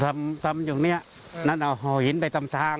เพราะทำอย่างเนี่ยนั่นเอาห่อหินไปตามทาง